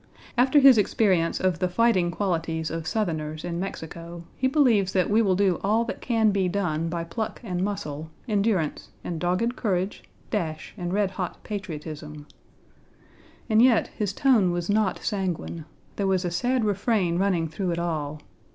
After his experience of the fighting qualities of Southerners in Mexico, he believes that we will do all that can be done by pluck and muscle, endurance, and dogged courage, dash, and red hot patriotism. And yet his tone was not sanguine. There was a sad refrain running through it all.